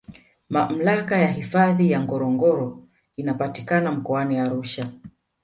Mamlaka ya hifadhi ya ngorongoro inapatikana Mkoani Arusha